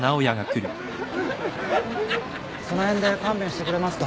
その辺で勘弁してくれますか。